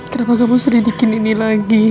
kenapa kamu sedih dikini ini lagi